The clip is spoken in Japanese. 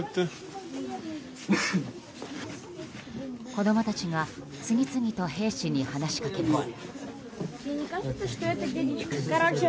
子供たちが次々と兵士に話しかけます。